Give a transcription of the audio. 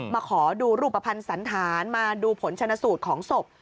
ขอดูรูปภัณฑ์สันธารมาดูผลชนะสูตรของศพ